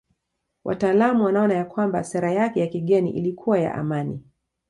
Wataalamu wanaona kwamba sera yake ya kigeni ilikuwa ya amani.